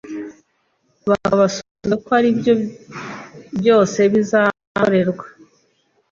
Bakaba basubijwe ko ariko ibyo byose bizabakorerwa.